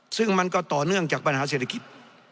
ซึ่งมันก็ต่อเนื่องจากปัญหาเศรษฐกิจ